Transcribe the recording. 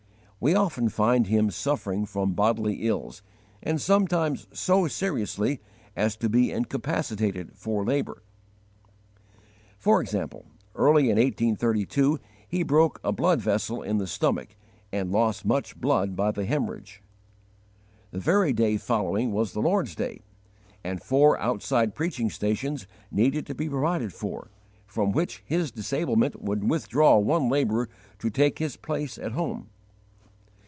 We often find him suffering from bodily ills, and sometimes so seriously as to be incapacitated for labour. For example, early in 1832 he broke a blood vessel in the stomach and lost much blood by the hemorrhage. The very day following was the Lord's day, and four outside preaching stations needed to be provided for, from which his disablement would withdraw one labourer to take his place at home.